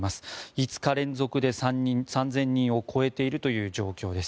５日連続で３０００人を超えている状況です。